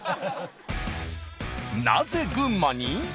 なぜ群馬に？